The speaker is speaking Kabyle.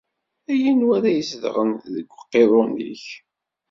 Ay Anwa ara izedɣen deg uqiḍun-ik?